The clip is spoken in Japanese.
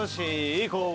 行こう。